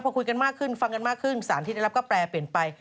พอคุยกันมากขึ้นฟังกันมากขึ้นสารที่ได้รับก็แปรเปลี่ยนไป